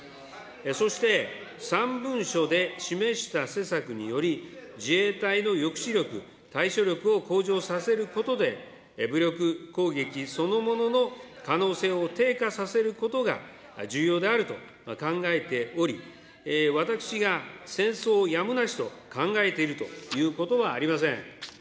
そして、３文書で示した施策により、自衛隊の抑止力、対処力を向上させることで武力攻撃そのものの可能性を低下させることが重要であると考えており、私が戦争をやむなしと考えているということはありません。